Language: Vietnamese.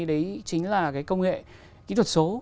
đấy chính là cái công nghệ kỹ thuật số